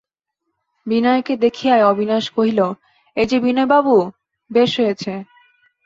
বিনয়কে দেখিয়াই অবিনাশ কহিল, এই-যে বিনয়বাবু, বেশ হয়েছে।